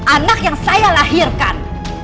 anak yang saya lahirkan